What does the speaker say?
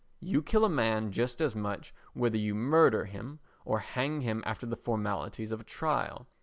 You kill a man just as much whether you murder him or hang him after the formalities of a trial.